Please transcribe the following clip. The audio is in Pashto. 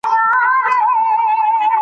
شپېلۍ په درو کې اواز کوي.